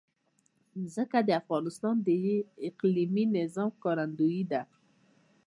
ځمکه د افغانستان د اقلیمي نظام ښکارندوی ده.